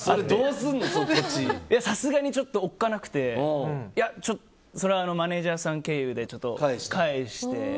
さすがにおっかなくてそれはマネジャーさん経由で返して。